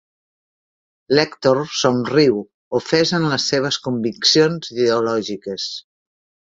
L'Èctor somriu, ofès en les seves conviccions ideològiques.